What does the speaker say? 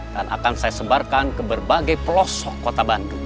dan akan saya sebarkan ke berbagai pelosok kota bandung